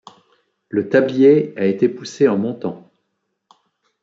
Le tablier a été poussé en montant.